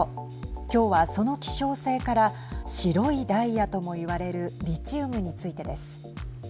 今日は、その希少性から白いダイヤとも言われるリチウムについてです。